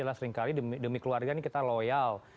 karena seringkali demi keluarga kita loyal